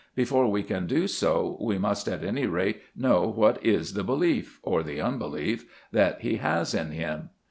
Before we can do so we must at any rate know what is the belief, or the unbelief, that he has in him.